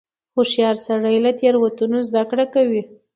هوښیار سړی له تېروتنو زده کړه کوي.